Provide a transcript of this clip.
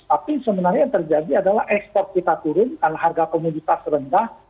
tapi sebenarnya yang terjadi adalah ekspor kita turun karena harga komoditas rendah